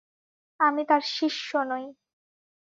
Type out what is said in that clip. আমি তার শিষ্য নই।